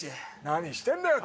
何してんだよ。